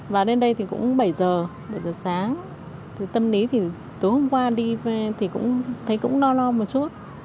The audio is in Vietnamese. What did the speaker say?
vào đến đây thì cũng bảy giờ bảy giờ sáng tâm lý thì tối hôm qua đi về thì cũng thấy lo lo một chút